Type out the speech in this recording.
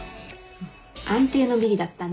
安定のビリだったね。